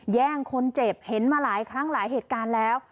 แย่งคนเจ็บเห็นมาหลายครั้งหลายเหตุการณ์แล้ว